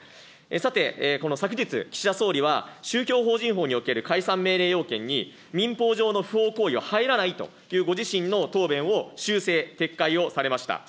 さて、昨日、岸田総理は宗教法人法における解散命令要件に、民法上の不法行為を入らないとご自身の答弁を修正、撤回をされました。